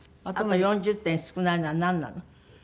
あと４０点少ないのはなんなの？